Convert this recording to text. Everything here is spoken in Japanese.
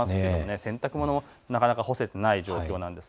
洗濯物もなかなか干せていない状況です。